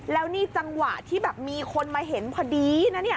แล้วนี่จังหวะที่มีคนมาเห็นพอดี